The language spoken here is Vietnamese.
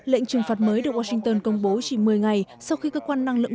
lệnh trừng phạt mới được washington công bố chỉ một mươi ngày sau khi cơ quan năng lượng